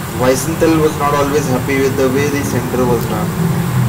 Wiesenthal was not always happy with the way the center was run.